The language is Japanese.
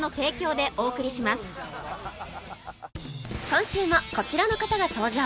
今週もこちらの方が登場